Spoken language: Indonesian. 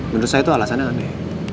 menurut saya itu alasannya aneh